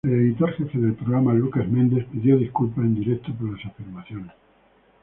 El editor jefe del programa, Lucas Mendes, pidió disculpas en directo por las afirmaciones.